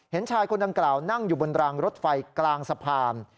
เห็นชายคนดังกล่าวนั่งอยู่บนรางรถไฟกลางสะพาน